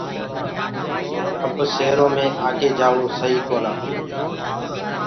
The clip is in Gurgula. اب سيرو مي آگي جآوو سئي ڪونآ۔